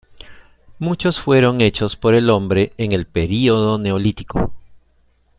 Muchos fueron hechos por el hombre en el período Neolítico.